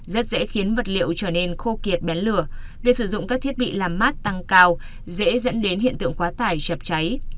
rất dễ khiến vật liệu trở nên khô kiệt bén lửa việc sử dụng các thiết bị làm mát tăng cao dễ dẫn đến hiện tượng quá tải chập cháy